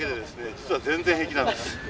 実は全然平気なんです。